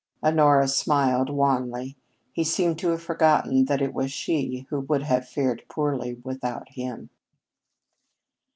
Honora smiled wanly. He seemed to have forgotten that it was she who would have fared poorly without him.